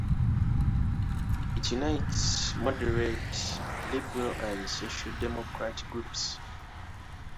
It unites moderate, liberal and socio-democrat groups.